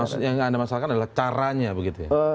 maksudnya yang anda masalkan adalah caranya begitu ya